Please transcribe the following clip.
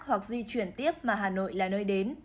hoặc di chuyển tiếp mà hà nội là nơi đến